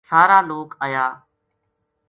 سارا لوک اَیا